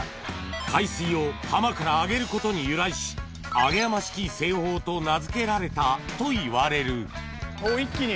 海水を浜から揚げることに由来し揚浜式製法と名付けられたといわれるお一気に。